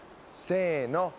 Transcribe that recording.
せの。